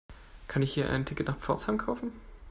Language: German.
Kann ich hier ein Ticket nach Pforzheim kaufen?